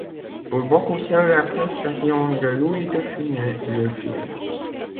Pour beaucoup, seule la prestation de Louis de Funès le film.